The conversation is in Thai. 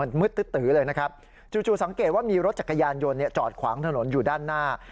มันมืดตื้อเลยนะครับจู่สังเกตว่ามีรถจักรยานยนต์จอดขวางถนนอยู่ด้านหน้า